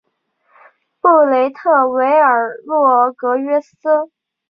布雷特维尔洛格约斯。